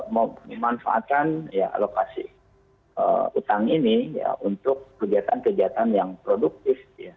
memanfaatkan alokasi utang ini untuk kegiatan kegiatan yang produktif